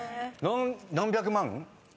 何百万？